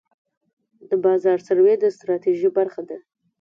د بازار سروې د ستراتیژۍ برخه ده.